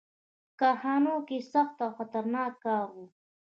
• په کارخانو کې سخت او خطرناک کار و.